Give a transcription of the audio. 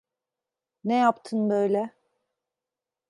Ne yaptın böyle?